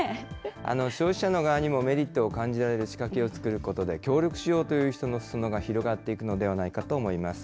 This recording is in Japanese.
消費者の側にもメリットを感じるということで、協力しようという人のすそ野が広がっていくのではないかと思います。